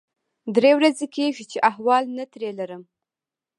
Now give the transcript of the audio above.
درې ورځې کېږي چې احوال نه ترې لرم.